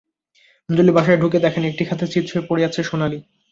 অঞ্জলি বাসায় ঢুকে দেখেন, একটি খাটে চিৎ হয়ে পড়ে আছে সোনালী।